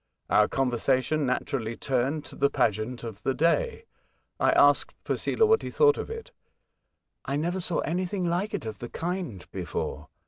I Our conversation naturally turned to the' pageant of the day. I asked Posela what he thought of it. " I never saw anything like it of the kind before.